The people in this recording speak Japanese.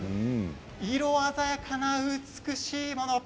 色鮮やかな美しいもの。